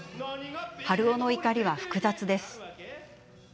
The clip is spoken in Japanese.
ハルオの怒りは複雑です。